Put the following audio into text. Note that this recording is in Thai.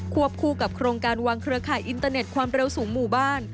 วบคู่กับโครงการวางเครือข่ายอินเตอร์เน็ตความเร็วสูงหมู่บ้าน